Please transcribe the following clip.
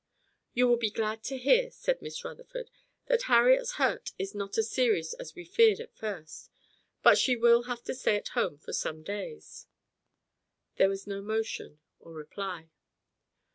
"You will be glad to hear," said Miss Rutherford, "that Harriet's hurt is not as serious as we feared at first. But she will have to stay at home for some days." There was no motion, or reply.